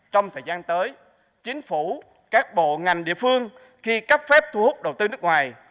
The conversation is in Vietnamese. trong thời gian tới chính phủ các bộ ngành địa phương khi cấp phép thu hút đầu tư nước ngoài